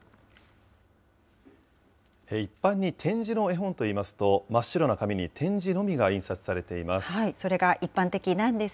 一般に点字の絵本といいますと、真っ白な紙に点字のみが印刷されています。